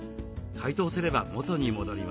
解凍すれば元に戻ります。